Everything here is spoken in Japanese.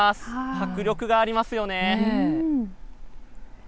迫力がありますよね。